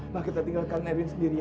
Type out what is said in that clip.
udah mama kita tinggalkan erwin sendiri ya